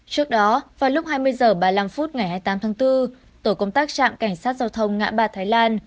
trước đó vào lúc hai mươi h ba mươi năm phút ngày hai mươi tám tháng bốn tổ công tác trạm cảnh sát giao thông ngã ba thái lan